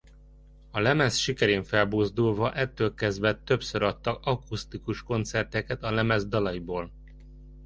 A lemez sikerén felbuzdulva ettől kezdve többször adtak akusztikus koncerteket a lemez dalaiból.